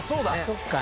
そっか。